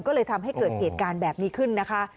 ก็เลยทำให้เกิดเหตุการณ์แบบนี้ขึ้นนะคะ